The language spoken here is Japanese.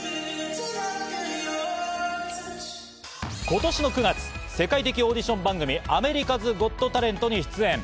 今年の９月、世界的オーディション番組『アメリカズ・ゴット・タレント』に出演。